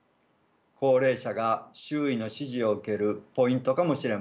高齢者が周囲の支持を受けるポイントかもしれません。